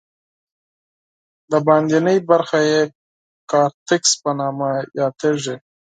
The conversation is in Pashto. بهرنۍ برخه یې کارتکس په نامه یادیږي.